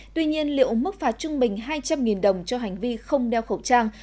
tuy nhiên liệu mức phạt trung bình hai trăm linh đồng cho hành vi không đeo khẩu trang